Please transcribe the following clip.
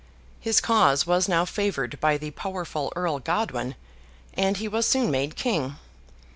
His cause was now favoured by the powerful Earl Godwin, and he was soon made King.